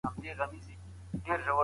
د تاريخ جريان څنګه دی؟